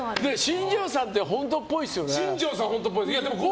新庄さんって本当っぽいですよね。